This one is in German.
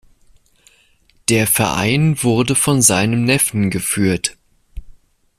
Der Verein wurde von seinem Neffen geführt.